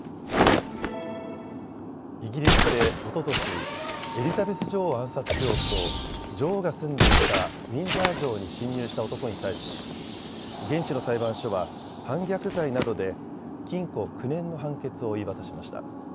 イギリスでおととしエリザベス女王を暗殺しようと女王が住んでいたウィンザー城に侵入した男に対し現地の裁判所は反逆罪などで禁錮９年の判決を言い渡しました。